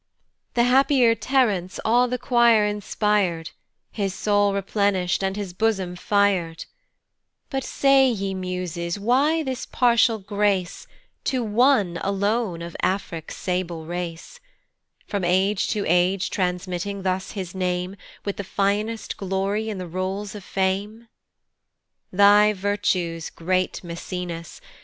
The happier Terence* all the choir inspir'd, His soul replenish'd, and his bosom fir'd; But say, ye Muses, why this partial grace, To one alone of Afric's sable race; From age to age transmitting thus his name With the finest glory in the rolls of fame? Thy virtues, great Maecenas!